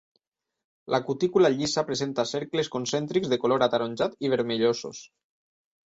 La cutícula llisa presenta cercles concèntrics de color ataronjat i vermellosos.